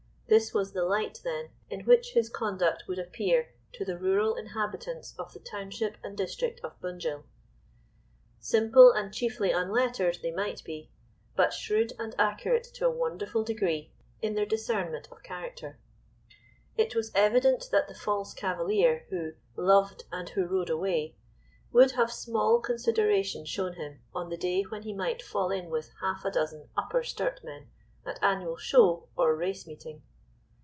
This was the light then in which his conduct would appear to the rural inhabitants of the township and district of Bunjil. Simple and chiefly unlettered they might be, but shrewd and accurate to a wonderful degree in their discernment of character. It was evident that the false cavalier who "loved, and who rode away," would have small consideration shown him on the day when he might fall in with half a dozen Upper Sturt men at annual show or race meeting.